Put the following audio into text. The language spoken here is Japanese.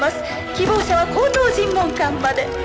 「希望者は高等尋問官まで」